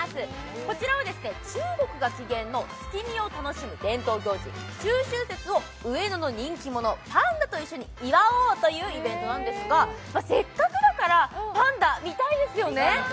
こちらは中国が起源の月見を楽しむ行事、中秋節を上野の人気者・パンダと一緒に祝おうというイベントなんですがせっかくだからパンダ、見たいですよね。